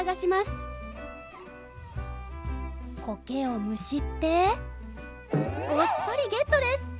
コケをむしってごっそりゲットです。